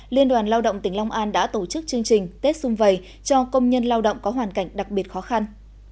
liên đoàn lao động tỉnh long an đã tổ chức chương trình tết xung vầy cho công nhân lao động có hoàn cảnh đặc biệt khó khăn